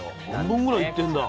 半分ぐらいいってんだ。